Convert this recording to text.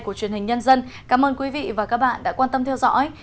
của truyền hình nhân dân cảm ơn quý vị và các bạn đã quan tâm theo dõi